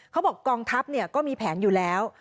กองทัพก็มีแผนอยู่แล้ว